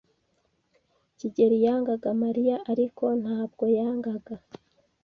kigeli yangaga Mariya, ariko ntabwo yangaga.